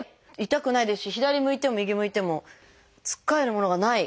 痛くないですし左向いても右向いてもつっかえるものがない。